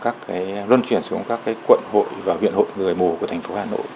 và chúng tôi luôn chuyển xuống các cấp quận hội và huyện hội người mù của thành phố hà nội